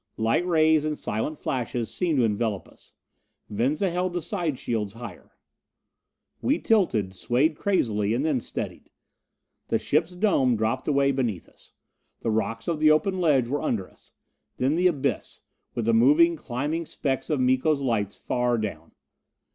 Light rays and silent flashes seemed to envelop us. Venza held the side shields higher. We tilted, swayed crazily, and then steadied. The ship's dome dropped away beneath us. The rocks of the open ledge were under us. Then the abyss, with the moving climbing specks of Miko's lights far down.